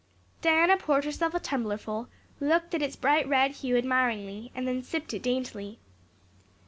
Diana poured herself out a tumblerful, looked at its bright red hue admiringly, and then sipped it daintily.